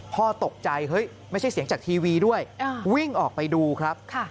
พ่อตกใจเฮ้ยไม่ใช่เสียงจากทีวีด้วยวิ่งออกไปดูครับ